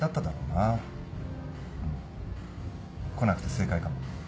うん。来なくて正解かも。